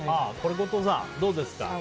これ後藤さん、どうですか？